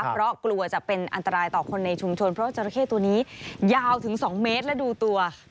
เพราะกลัวจะเป็นอันตรายต่อคนในชุมชนเพราะจราเข้ตัวนี้ยาวถึง๒เมตรและดูตัว